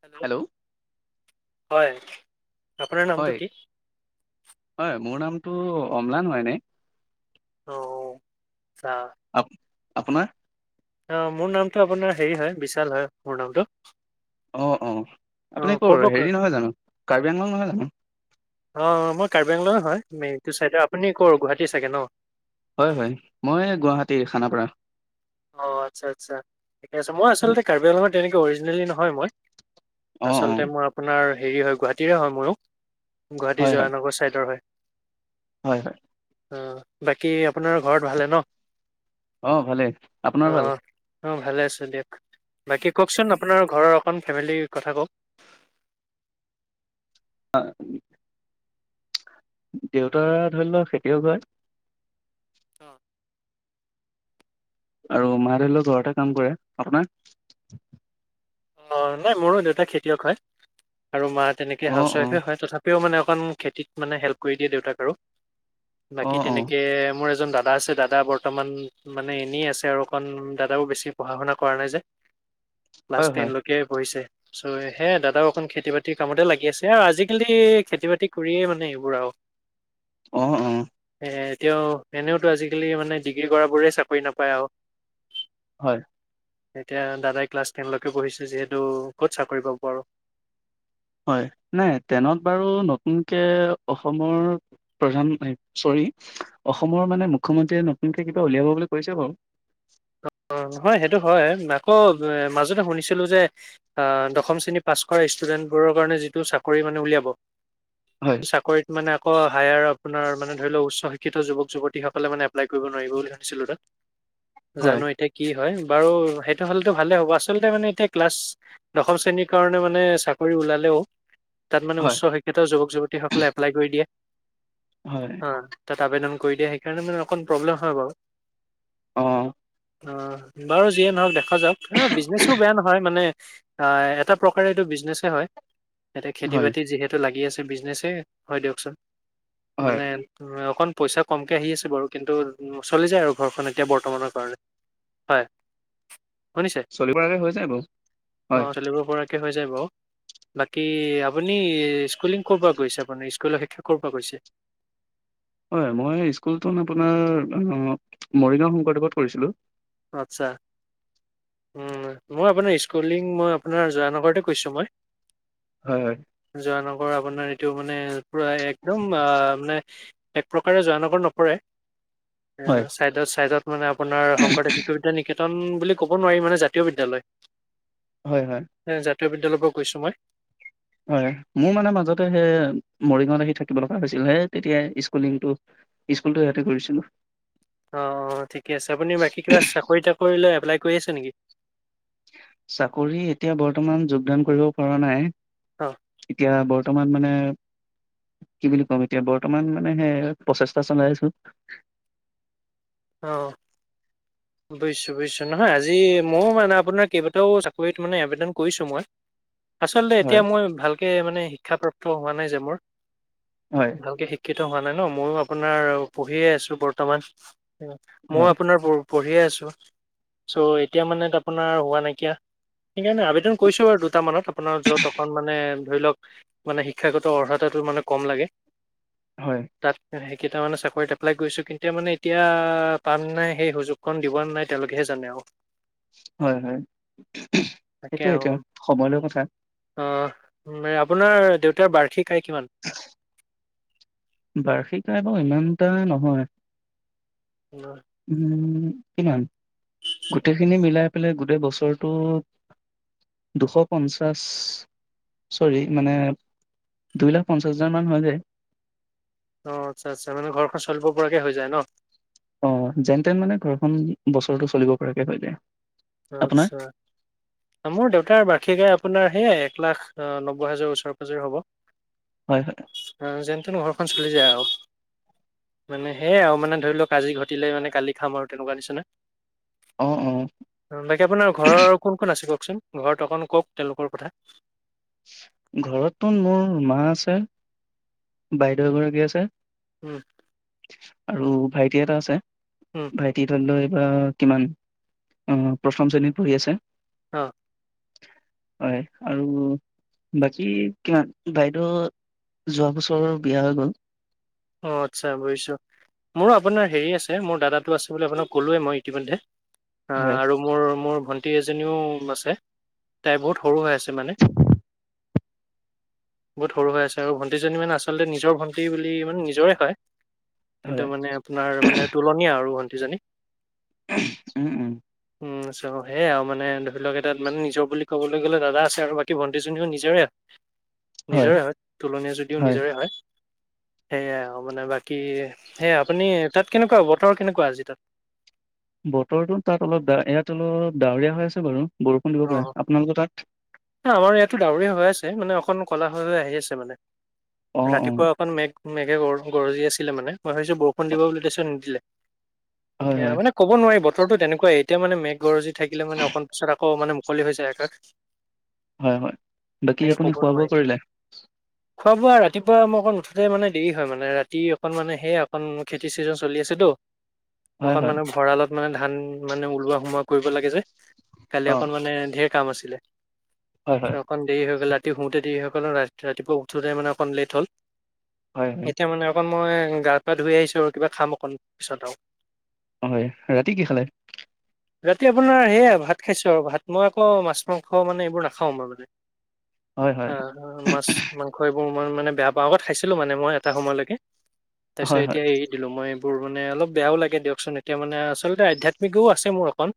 Hello, হয়। আপোনাৰ হয় নামটো কি? হয় মোৰ নামটো অমলান হয় এনেই। অ। চা আপ আপোনাৰ? অ, মোৰ নামটো আপোনাৰ হেৰি হয় বিশাল হয় মোৰ নামটো। অ', অ। আপুনি কৰ হেৰি নহয় জানো কাৰ্বি আংগল নহয় জানো? মটো চাইডৰ, আপুনি কৰ? গুৱাহাটী চাগে ন? হয় হয় মই গুৱাহাটী খানাপাৰা অ, আচ্ছা আচ্ছা, ঠিক আছে। মই আচলতে কাৰ্বি আংত তেনেকে অৰি নলী নহয় মই। অঁ অঁ আচলতে মই আপোনাৰ। হেৰি হয়, গুৱাহাটীৰে হয় মোৰো। গুৱাহাটী হয় হয় যহানগৰ ছাইদৰ হয় হয় হয়। অঁ বাকী আপোনাৰ ঘৰত ভালে ন। অ ভালে। অ অ ভালে আছো দিয়ক। বাকী কওকচোন আপোনাৰ ঘৰৰ। অখন ফেমিলীৰ কথা কওঁক। [unintelligible] দেউতা ধৰি লওক খেতিও কয়। অ। আৰু মাহ দেউও ঘৰতে কাম কৰে আপোনাৰ। অ নাই মোৰো দেউতা খেতিয়ক হয় আৰু মাক। তেনেকে অঁ হাউচ অঁ ৱাইফে হয় তথাপিও মানে। খন খেতিত মানে হেল্প কৰি দিয়ে দেউতাক আৰু। বাকী অঁ অঁ তেনেকে মোৰ। এজন দাদা আছে দাদা বৰ্তমান মানে এনেই আছে আৰু অকণ দাদাও বেছি পঢ়া শুনা কৰা নাই যে। বাছ হয় হয় তেনলৈকে বহিছে। চ হে দাদাও অকণ খেতি বাতিৰ কামতে লাগি আছে আৰু আজিকালি খেতি বাতি কৰিয়ে মানে এইবোৰ আৰু। অ অ। এ এতিয়াও এনেওতো আজিকালি মানে ডিগ্ৰী কৰা বোৰেই চাকৰি নাপায় আৰু হয়। এতিয়া দাদাই ক্লাছ টেন বহিছো যিহেতু ক'ত চাকৰি পাব। আৰু হয় নাই টেনত বাৰু নতুনকে অসমৰ প্ৰধান চৰি অসমৰ মানে মুখ্যমন্ত্ৰীয়ে নতুনকে কিবা উলিয়াব বুলি কৈছে বাৰু। অ নহয় সেইটো হয় ন। আকৌ মাজতে শুনিছিলোঁ যে দশম শ্ৰেণী পাছ কৰা ষ্টুডেণ্টবোৰৰ কাৰণে যিটো চাকৰি মানে উলিয়াব। হয় টো চাকৰিত মানে অ হায়াৰ আপোনাৰ মানে ধৰি ল উচ্চ শিক্ষ শিক্ষিত যুৱক যুৱতীসকলে মানে এপ্লাই কৰিব নোৱাৰিব বুলি শুনিছিলোঁ তাত। হয়, জানো এতিয়া কি হয়? বাৰু সেইটো হ'লেতো ভালে হ'ব আচলতে মানে এতিয়া ক্লাছ দশম শ্ৰেণীৰ কাৰণে মানে চাকৰি ওলালেও। তাত মানে হয়, উচ্চ শিক্ষিত যুৱক যুৱতীসকলে এপ্লাই কৰি দিয়ে। হয়, অ তাত আবেদন। কৰি দিয়া সেইকাৰণে মানে অকণ প্ৰব্লেম হয় বাৰু। অ অ বাৰু যিয়ে নহওক দে স যাওক বিজনেছো বেয়া নহয় মানে আহ এটা প্ৰকাৰে এইটো বিজনেচে হয়। ইয়াতে খেতি হয়, বাতি যিহেতু লাগি আছে। বিজনেছে হয় দিয়কচোন। হয়, মানে উ অকণ পইচা কমকৈ আহি আছে বাৰু কিন্তু চলি যায় আৰু ঘৰখন এতিয়া বৰ্তমানৰ [unintelligible] হয় শুনিছে। চলিবগে হৈ যায় বাৰু হয়। হয় যায় বাৰু বাকী আপুনি [unintelligible] গৈছে আপুনি সকলৈ শিক্ষকৰ পৰা কৈছে। হয় মই স্কুলটো আপোনাৰ মৰিগাঁও শংকৰদেৱত কৰিছিলোঁ। আচ্ছা উ মই আপোনাৰ স্কুলিং মই আপোনাৰ জয়ানগৰতে কৈছো মই। হয় হয়। জয়ানগৰ আপোনাৰ এইটো মানে একদম মানে এক প্ৰকাৰে জয়ানগৰ নপৰে হয়, অ' চাইদত-চাইদত, মানে আপোনাৰ শংকৰদেৱ, [unintelligible] তন বুলি ক'ব নোৱাৰি মানে জাতীয় বিদ্যালয়। হয়-হয়। এ জাতীয় বিদ্যালয়ৰ পৰা কৈছোঁ মই। হয় মোৰ মানে মাজতে সেই মৰিগাঁত আহি থাকিব লগা হৈছিল হে তেতিয়া স্কুলিংটো স্কুলটো ইয়াতে কৰিছিলো। অ-অ ঠিকে আছে আপুনি বাকী কিবা চাকৰি তাকৰি লৈ এপ্লাই কৰি আছা নেকি? চাকৰি এতিয়া বৰ্তমান যোগদান কৰিব পৰা নাই। অ এতিয়া বৰ বৰ্তমান মানে কি বুলি কম এতিয়া বৰ্তমান মানে সে প্ৰচেষ্টা চলাইছো। অহ, বোজিছো-বুজিছো। নহয় আজি মই মানে আপোনাক কেইবাটাও চাকৰিত ত মানে আবেদন কৰিছো মই। আচলতে এতিয়া হয়, মই ভাল তে মানে শিক্ষা প্ৰাপ্ত হোৱা নাই যে মোৰ। হয়, ভালকে শিক্ষা শিক্ষিত হোৱা নাই ন ময়ো আপোনাৰ পঢ়িয়ে আছো বৰ্তমান। মই হয়, আপোনাৰ প পঢ়িয়ে আছোঁ চ' এতিয়া মানে আপোনাৰ হোৱা নাইকিয়া সেইকাৰণে আবেদন কৰিছোঁ আৰু দুটামানত আপোনাৰ য'ত অকণ মানে ধৰি লওক মানে শিক্ষাগত অৰ্হতাটো মানে কম লাগে। হয়, তাতপেই কেইটামানে চাকৰিত এপ্লাই কৰিছোঁ কিন্ত মানে এতিয়া পাম নাই সেই সুযোগ? ন দিব নাই তেওঁলোকেহে জানে আৰু। হয়-হয় তাকে আৰু সেইটোয়ে-সেইটোয়ে সময়লৈ কথা। আপোনাৰ দেউতাৰ বাৰ্ষিক কাই কিমান? বাৰ্ষিক মানে ইমানটা নহয়। উম, কিমান গোটেইখিনি মিলাই পেলাই গোটেই বছৰটো দুশ পঞ্চাশ চৰি মানে দুই লাখ পঞ্চাছ হাজাৰ মান হৈ যায়। অ আচ্ছা-আচ্ছা মানে ঘৰখন চলিব কে হৈ যায় ন। অ যেন তেন মানে ঘৰখন বছৰটো চলিব পৰাকে হয় যায়। আপোনাৰ? আচ্ছা মোৰ দেউতাৰ বাৰ্ষিক আয় অ, আপোনাৰ সেয়াই এক- লাখ -নব্বৈ -হাজাৰ ওচৰে -পাজৰে হ'ব। হয়- হয় যেন তেন ঘৰখন চলি যায় আৰু মানে সেয়াই আৰু মানে ধৰি লওক আজি ঘটিলে মানে কালি খাম আৰু তেনেকুৱা নিচিনা। অ', - অ, ' তাকে আপোনাৰ ঘৰৰ কোন কোন আছে? ককচোন ঘৰত অকন কওক তেওঁলোকৰ কথা? ঘৰততো মোৰ মা আছে বাইদেউ এগৰাকী আছে। উম, আৰু ভাইটি এটা আছে। উম, [unintelligible] বা কিমান অ, প্ৰথম শ্ৰেণীত পঢ়ি আছে। অহ, হয় আৰু, বাকী কিমান বাইদেউ যোৱা বছৰ বিয়া হৈ গ'ল। অ, আচ্ছা বুজিছোঁ মোৰো আপোনাৰ হেৰি আছে মোৰ দাদাটো আছে বুলি আপোনাক ক'লোৱেই মই ইতিমধ্যে। আঃ হয় আৰু মোৰ - মোৰ, ভণ্টি এজনীও আছে, তাই বহুত সৰু হৈ আছে মানে। বহুত সৰু হৈ আছে আৰু ভণ্টিজনি আচলতে নিজৰ ভণ্টি বুলি, মানে নিজৰে হয়, কিন্তু হয়। মানে আপোনাৰ মানে তুলনীয়া আৰু, ভণ্টি জনি। উম -উম উম, আটচা সেয়া আৰু মানে ধৰি লওক এতিয়া মানে নিজৰ বুলি ক'বলৈ গ'লে দাদা আছে আৰু বাকী ভণ্টিজনীও নিজৰে, আৰু, নিজৰে হয়, তুলনীয়া যদিও নিজৰে হয়। সেয়াই আৰু মানে বাকী সে, আপুনি তাত কেনেকুৱা বতৰ কেনেকুৱা আজি তাত? বতৰটো তাত অলপ ইয়াত অলপ ডাৱৰীয়া হৈ আছে বাৰু। বৰষুণ দিব অ, পাৰে। আপোনালোকৰ তাত? আমাৰ ইয়াতো ডাৱৰ হৈ আছে মানে অকণ কলা হৈ- হৈ আহি আছে। মানে, অ', অ', ৰাতিপুৱা অকণ মেঘ, মেঘে গ-গৰজি আছিলে মানে। মই ভাবিছোঁ বৰষুণ দিব বুলি তাইচত নিদিলে। হয়, এতিয়া হয়, মানে ক'ব নোৱাৰি বতৰ, বতৰতো তেনেকুৱাই এতিয়া মানে মেঘগৰজী, থাকিলে মান অকণ পিছত আকৌ, অহ, মানে মুকলি হৈ যায় আকাশ। হয়- হয় বাকী তেনেকে আপুনি ক'ব খোৱা নোৱাৰি। -বোৱা কৰিলে? খোৱা - বোৱা ৰাতিপুৱা মই অকণ উঠোতে মানে দেৰি হয় মানে ৰাতি অকণ মানে সেয়া অকণ খেতি ছিজন চলি আছেতো, ত, হয়, কাম হয়, মানে ভঁৰালত মানে, ধান মানে ওলোৱা সোমোৱা কৰিব লাগে যে কালি অ', অকণ মানে ঢেৰ কাম আছে ছিলে হয়, হয়, অকণ দেৰি হৈ গল শোওঁতে সকল ৰাতি ৰাতিপুৱা উঠোতোই মানে অকণ লেট হ'ল হয়, হয়, এতিয়া মানে অকণ মই গা পা ধুই আহিছো আৰু কিবা খাম অকণ পিছত আৰু হয়। ৰাতি কি খালে? ৰাতি আপোনাৰ সেয়া ভাত ভাত খাইছো আৰু ভাত মই আকৌ মাছ মাংস মানে এইবোৰ নাখাও আমাৰ হয়, হয়, মানে মাছ মাংস মোৰ মানে বেয়া পা আগত খাইছিলো মানে মই এটা সময়লৈকে তাৰ হয়, পিছত হয়, এতিয়া এৰি দিলো মই বোৰ মানে অলপ বেয়াও লাগে দিয়কচোন এতিয়া মানে আচলতে আধ্যাত্মিকো আছে মোৰ অকণ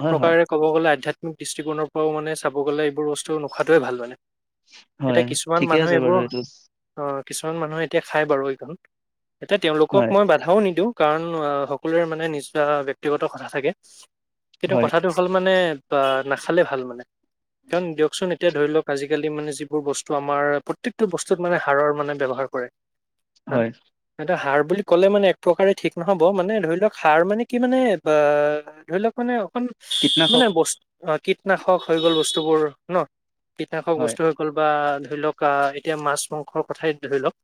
হয়, হয়, প্ৰকাৰে কব গ'লে আধ্যাত্মিক দৃষ্টিকোণৰ পৰাও মানে চাব গলে এইবোৰস্তু নোখোৱায়ে ভাল মানে হয়, এতিয়া কিছুমান ঠিকে মানুহে আছে বাৰু এইবোৰ এইটো। অ কিছুমান মানুহে এতিয়া খাই বাৰু এইখন এয়া তেওঁলোকক হয়, মই বাধাও নিদিওঁ কাৰণ সকলোৰে মানে নিজ ব্যয়ক্তিগত কথা থাকে কিন্তু হয়, কথাটো হ'ল মানে বা নাখালে ভাল মানে কাৰণ দিয়কচোন এতিয়া ধৰি লওক আজিকালি মানে যিবোৰ বস্তু আমাৰ প্ৰত্য়েকটো বস্তুত মানে সাড়ৰ মানে ব্যৱহাৰ কৰে হা হয়, এটো হড বুলি ক'লে মানে এক প্ৰকাৰে ঠিক নহ'ব মানে ধৰি লওক সাৰ মানে কি মানে ধৰি লওক মানে কীটনাশক মানে বস্তু অ কীটনাশক হৈ গ'ল বস্তুবোৰ ন পিঠখ হয়, বস্তু হৈ গল বা ধৰি লওক আহ এতিয়া মাছ মাংসৰ কথাই ধৰি লওক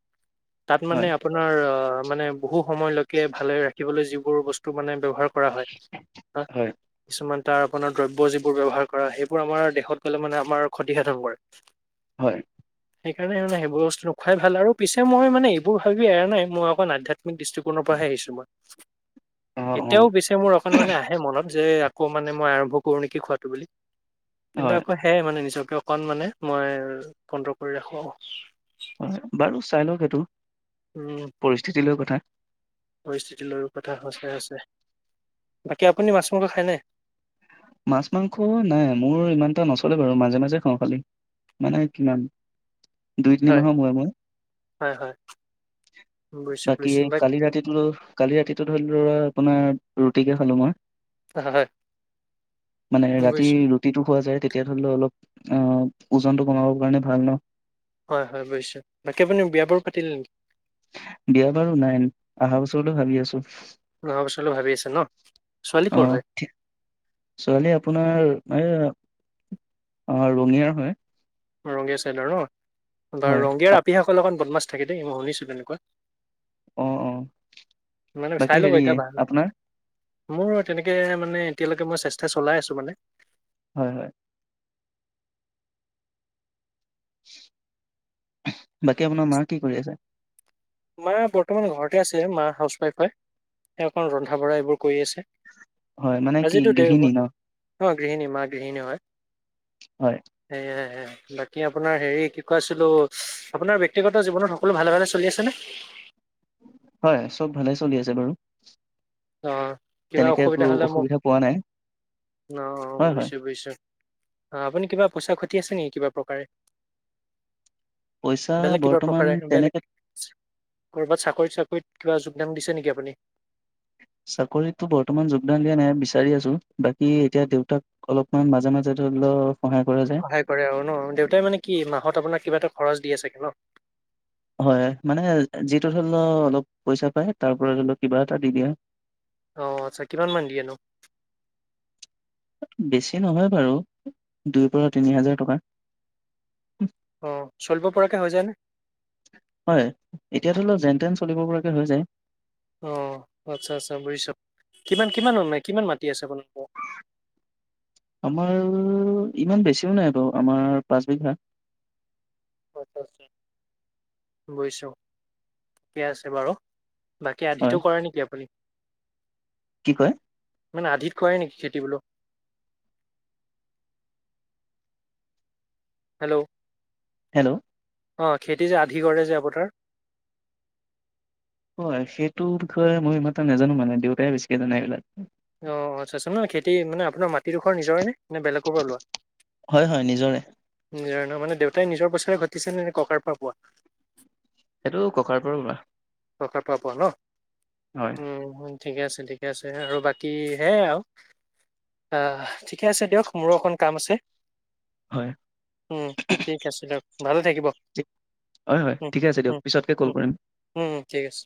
তাত হয়, মানে আপোনাৰ অ মানে বহু সময়লৈকে ভালে ৰাখিবলৈ যিবোৰ বস্তু মানে বৱহাৰ কৰা হয় হ হয়, কিছুমান তাৰ আপোনাৰ দ্ৰব্য যিবোৰ ব্যৱহাৰ কৰা সেইবোৰ আমাৰ দেশত গলে মানে আমাৰ ক্ষতিসাধন কৰে হয় সেইকাৰণে মানে সেইবোৰ বস্তুখুৱাই ভাল আৰু পিছে মই মানে এইবোৰ ভাবি এৰা নাই মই অকণ আধ্যাত্মিক দৃষ্টিকোণৰ পৰাহে আহিছো মই অ', এতিয়াও অ', পিছে মোৰ অকনমান আহে মনত আকৌ মানে মই আৰম্ভ কৰো নেকি খোৱাটো বুলি [unintelligible] কিন্তু হয়, আকৌ সেয়াই মানে নিজক অকণ মানে মই বন্ধ কৰি ৰাখো আৰু হয় বাৰু চাই লওক সেইটো উম। পৰিস্থিতি লৈ কথা পৰিস্থিতি লৈ কথা সঁচাই আছে বাকী আপুনি মাছ মাংস খায়নে মাছ মাংস নাই মোৰ ইমান এটা নচলে বাৰু মাজে মাজে খাওঁ খালি মানে কিমান দুই তিনি হয় মাহৰ মোৰে মোৰে হয় হয় মই বুজিছো বাকী বুজিছো কালি ৰাতিটো কালি ৰাতি ধৰি আপোনাৰ ৰুটিকে খালো মই হয় হয় মানে ৰাতি বুজিছো। ৰুটীটো খোৱা যায় তেতিয়া ধৰিলেও অলপ অ ওজনটো কমাব কাৰণে ভাল ন হয় হয় বুজিছো বাকী আপুনি বিয়াবোৰ পাতিলে নেকি বিয়া বাৰু নাই অহা বছৰলৈ ভাবি আছো অহা বছৰলৈ ভাবি আছে ন? ছোৱালী ক'ৰ আহ হয়? ছোৱালী আপোনাৰ এই অ ৰঙিয়াৰ হয় ৰঙেশ চাইলৰ ন [unintelligible] বাৰ হয় ৰঙগিয়াৰ আপ- আপিসকল অকণ বদমাছ [unintelligible] থাকে দেই মই শুনিছো তেনেকুৱা অ অ মানে চাই বাকী ল'ব হেৰি এতিয়া ভাল। আপোনাৰ মোৰ তেনেকে মানে এতিয়ালৈকে মই চেষ্টা চলাই আছো মানে হয় হয় বাকী আপোনাৰ মা কি কৰি আছে মা বৰ্তমান ঘৰতে আছে মা হাউচৱাইফ হয় তেওঁ অকণ ৰন্ধা বঢ়া এইবোৰ কৰি আছে হয় মানে কি গৃহণী ন অঁ গৃহিণী মা গৃহিণী হয় হয় সেয়াই বাকী আপোনাৰ হেৰি কি কৈছিলো আপোনাৰ ব্যক্তিগত জীৱনত সকলো ভালে ভালে চলি আছে নে [inaudible] হয় চব ভালে চলি আছে বাৰু অ কিবা তেনেকে একো অসুবিধা হ'লে মোক অসুবিধা পোৱা নাই অ অ হয় হয় বুজিছো বুজিছো অ আপুনি কিবা পইচা ঘটি আছে নেকি কিবা প্ৰকাৰে পইচা বেলেগ কিবা বৰ্তমান প্ৰকাৰে বেলেগ তেনেকে কৰ'বাত চাকৰিত চাকৰিত কিবা যোগদান দিছে নেকি আপুনি চাকৰিতটো বৰ্তমান যোগদান দিয়া নাই বিচাৰি আছো বাকি এতিয়া দেউতাক অলপমান মাজে মাজে ধৰি লও সহায় কৰা যায় সহায় কৰে আৰু ন দেউতাই মানে কি মাহত আপোনাক কিবা এটা খৰচ দি আ চাগ [unintelligible] [inaudible] হয় মানে যিটো ধৰি লও অলপ পইচা পায় তাৰ পৰা ধৰি লওক কিবা এটা দি দিয়া আহ আচ্ছা কিমান মান দিয়ে নো [unintelligible] বেছি নহয় বাৰু দুইৰ পৰা তিনি হাজাৰ টকা। অ' চলিব পৰাকে হৈ যায় নে? হয় এতিয়া ধৰি ল যেন তেন। চলিব পৰাকে হৈ যায়। অ আচ্ছা আচ্ছা বুজিছোঁ কিমান কিমান কিমান মাটি আছে আপোনালোক। আমাৰ ইমান বেছিও নাই বাৰু আমাৰ পাঁচ বিঘা। আচছা আচছা বুজিছো ঠিকে আছে বাৰু। বাকী হয় আধিটো কৰে নেকি আপুনি? কি কয়? মানে আধিত কৰে নেকি খেতি বোলো? হেল্ল' হেল্ল' অ খেতি যে আধি কৰে যে আপোনাৰ হয় সেইটো বিষয়ে মই ইমানটা নাজানো মানে দেউতাই বেছিকে জানে এইবিলাক। অ আচ্ছাচোন নয় খেতি মানে আপোনাৰ মাটিডোখৰ নিজৰে নে নে বেলেগৰ পৰা লোৱা। হয় হয় নিজৰে জহ মানে দেউতাই নিজৰ বছৰে ঘটিছে নে ন ককাৰ পৰা পোৱা। সেইটো ককাৰ পৰা লোৱা। ককাৰ পৰা পোৱা ন। হয় ঠিকে আছে ঠিকে আছে আৰু বাকী সেয়াই আৰু ঠিকে আছে দিয়ক মোৰো অকণ কাম আছে। হয় উম ঠিক আছে দিয়ক ভালে থাকিব হয় হয় উম ঠিক আছে দিয়ক উম পিছতকে কল উম উম কৰিম। ঠিক আছে।